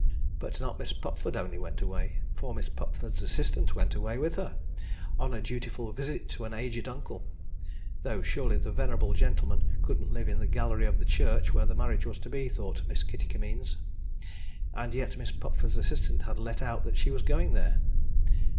But not Miss Pupford only went away; for Miss Pupford's assistant went away with her, on a dutiful visit to an aged uncle though surely the venerable gentleman couldn't live in the gallery of the church where the marriage was to be, thought Miss Kitty Kimmeens and yet Miss Pupford's assistant had let out that she was going there.